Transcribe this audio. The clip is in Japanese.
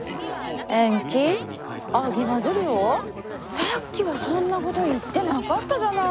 さっきはそんなごど言ってながったじゃない。